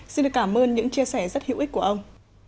xin được cảm ơn những chia sẻ rất hữu ích của ông